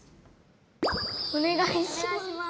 お願いします。